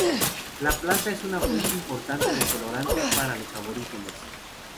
La planta es una fuente importante de colorante para los aborígenes.